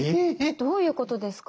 どういうことですか？